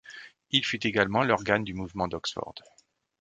Il fut également l'organe du mouvement d'Oxford.